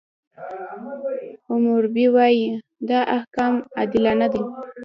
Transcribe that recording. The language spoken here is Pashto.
حموربي وایي، دا احکام عادلانه دي.